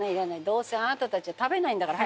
どうせあなたたちは食べないんだから。